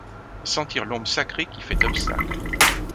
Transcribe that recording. Sentir l’ombre sacrée qui fait obstacle!